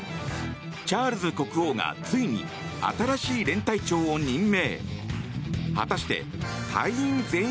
チャールズ国王がついに新しい連隊長を任命。